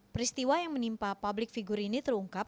peristiwa yang menimpa publik figur ini terungkap